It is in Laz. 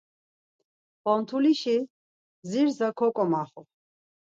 Pontulişi zirza koǩomaxu.